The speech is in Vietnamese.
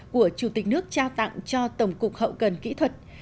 của chủ tịch nước trao tặng cho tổng cục hậu cần kỹ thuật